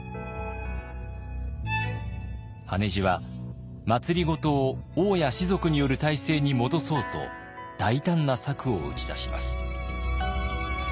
羽地は政を王や士族による体制に戻そうと大胆な策を打ち出します。